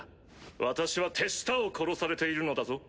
私は手下を殺されているのだぞ？